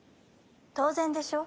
当然でしょ。